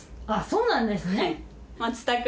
そうなんですね。